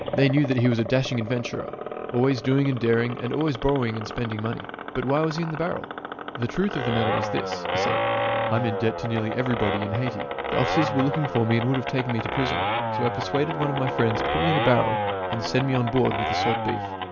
They knew that he was a dashing adventurer, always doing and daring, and always borrowing and spending money. But why was he in the barrel.'' " The truth of the matter is this," he said ;" I am in debt to almost everybody in Haiti. The officers were looking for me and would have taken me to prison. So I persuaded one of my friends to put me in a barrel and send me on board with the salt beef.